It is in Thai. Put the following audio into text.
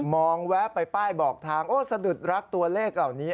มองแวะไปป้ายบอกทางโอ้สะดุดรักตัวเลขเหล่านี้